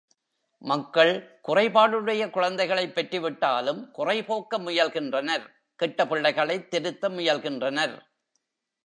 மக்கள் குறைபாடுடைய குழந்தைகளைப் பெற்றுவிட்டாலும் குறைபோக்க முயல்கின்றனர்—கெட்ட பிள்ளைகளைத் திருத்த முயல்கின்றனர்.